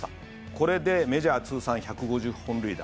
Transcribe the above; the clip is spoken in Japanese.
これでメジャー通算１５０本塁打。